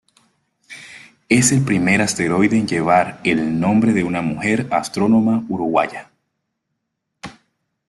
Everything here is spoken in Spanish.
Es el primer asteroide en llevar el nombre de una mujer astrónoma uruguaya.